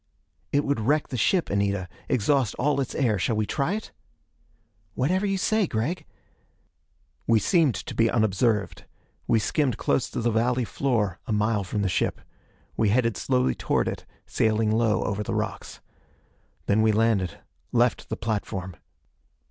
"It would wreck the ship, Anita, exhaust all its air. Shall we try it?" "Whatever you say, Gregg." We seemed to be unobserved. We skimmed close to the valley floor, a mile from the ship. We headed slowly toward it, sailing low over the rocks. Then we landed, left the platform.